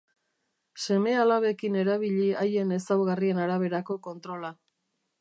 Seme-alabekin erabili haien ezaugarrien araberako kontrola.